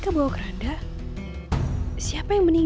kalian ada di sini